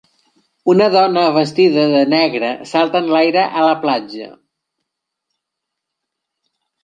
una dona vestida de negre salta enlaire a la platja.